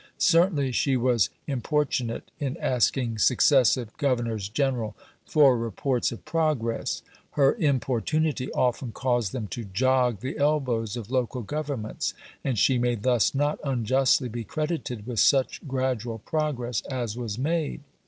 Certainly she was importunate in asking successive Governors General for reports of progress; her importunity often caused them to jog the elbows of Local Governments; and she may thus not unjustly be credited with such gradual progress as was made.